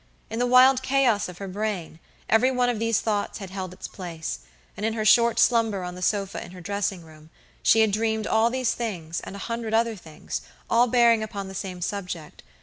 In the wild chaos of her brain, every one of these thoughts had held its place, and in her short slumber on the sofa in her dressing room she had dreamed all these things and a hundred other things, all bearing upon the same subject.